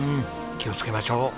気をつけましょう。